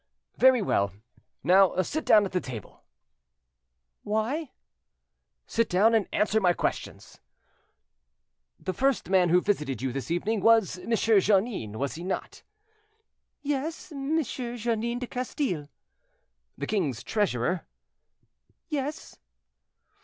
"Very well. Now sit down at the table." "Why?" "Sit down, and answer my questions." "The first man who visited you this evening was M. Jeannin, was he not?" "Yes, M. Jeannin de Castille." "The king's treasurer?" "Yes."